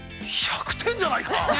◆１００点じゃないか。